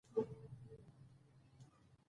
ـ په سترګو باڼه نه درنېږي.